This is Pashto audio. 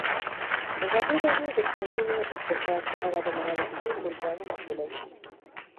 ازادي راډیو د د کانونو استخراج په اړه د معارفې پروګرامونه چلولي.